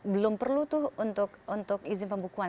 belum perlu tuh untuk izin pembukuan